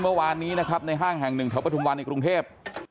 เมื่อวานนี้นะครับในห้างแห่งหนึ่งแถวปฐุมวันในกรุงเทพ